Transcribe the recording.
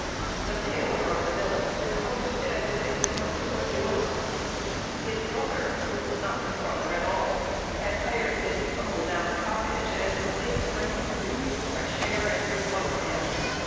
The paler of the villains posed as a victim of tuberculosis. His brother, who was not his brother at all, had hired this tumble down cottage as a place for him to breathe fresh air and recover in.